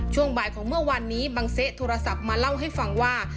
ช่วงบ่ายของเมื่อวานนี้บังเซโทรศัพท์มาเล่าให้ฟังว่า